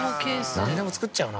なんでも作っちゃうな。